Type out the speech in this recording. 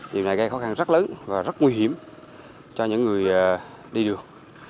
điều này gây khó khăn rất lớn và rất nguy hiểm cho những người đi đường